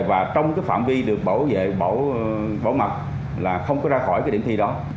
và trong cái phạm vi được bảo vệ mặt là không có ra khỏi cái điểm thi đó